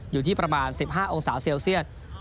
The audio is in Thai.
อยู่ที่ประมาณ๑๕องศาเซลเซียต